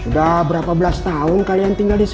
sudah berapa belas tahun kalian tinggal disini